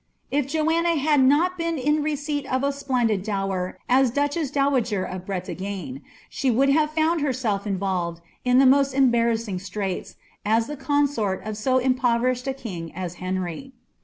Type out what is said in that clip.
If Joanna had not been in the receipt of a spleixU dower as duchess dowagpr of Bretagne, she would hare f.iund herself involved in the most embarrassing straits, as the consort of so im povertshed a king as Henry.